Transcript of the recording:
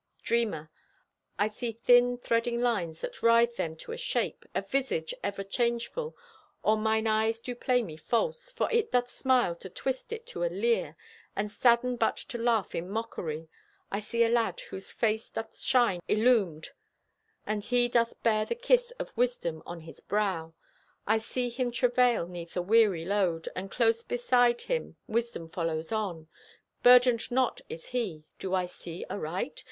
Dreamer: I see thin, threading lines that writhe them To a shape—a visage ever changeful, Or mine eyes do play me false, For it doth smile to twist it to a leer, And sadden but to laugh in mockery. I see a lad whose face Doth shine illumed, and he doth bear The kiss of wisdom on his brow. I see him travail 'neath a weary load, And close beside him Wisdom follows on. Burdened not is he. Do I see aright?